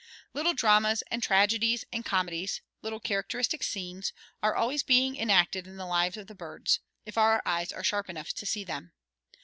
Little dramas and tragedies and comedies, little characteristic scenes, are always being enacted in the lives of the birds, if our eyes are sharp enough to see them.